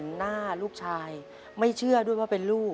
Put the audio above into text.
คุณหมอบอกว่าเอาไปพักฟื้นที่บ้านได้แล้ว